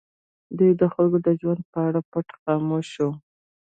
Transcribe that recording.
دوی د خلکو د ژوند په اړه پټ خاموش دي.